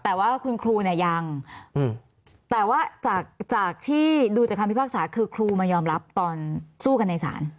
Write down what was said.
แต่ว่าคุณครูเนี่ยยังแต่ว่าจากที่ดูจากคำพิพากษาคือครูมายอมรับตอนสู้กันในศาล